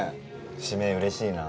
指名うれしいな。